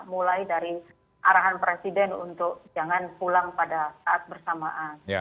mulai dari arahan presiden untuk jangan pulang pada saat bersamaan